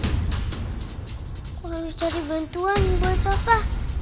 aku harus cari bantuan buat siapa